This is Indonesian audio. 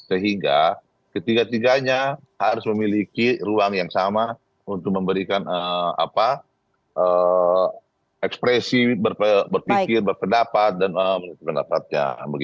sehingga ketiga tiganya harus memiliki ruang yang sama untuk memberikan ekspresi berpikir berpendapat dan pendapatnya